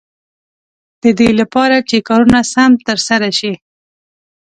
د دې لپاره چې کارونه سم تر سره شي.